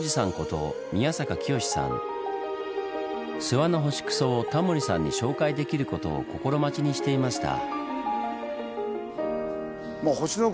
諏訪の星糞をタモリさんに紹介できることを心待ちにしていました。